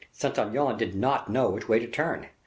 Saint Aignan did not know which way to turn.